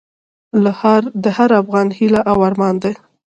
د هر افغان هیله او ارمان دی؛